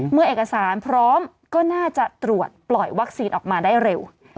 เมื่อเอกสารพร้อมก็น่าจะตรวจปล่อยวัคซีนออกมาได้เร็ว